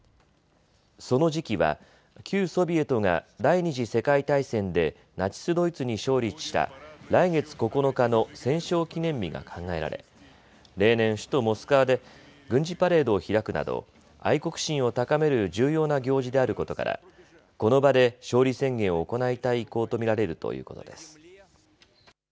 その時期は旧ソビエトが第２次世界大戦でナチス・ドイツに勝利した来月９日の戦勝記念日が考えられ例年、首都モスクワで軍事パレードを開くなど愛国心を高める重要な行事であることからこの場で勝利宣言を行いたい意向と見られるということです。